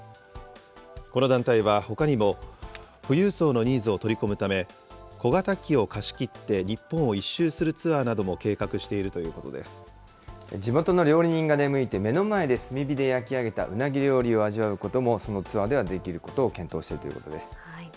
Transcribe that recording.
この団体はほかにも、富裕層のニーズを取り込むため、小型機を貸し切って日本を１周するツアーなども計画しているとい地元の料理人が出向いて、目の前で炭火で焼き上げたうなぎ料理を味わうこともそのツアーではできることを検討しているということです。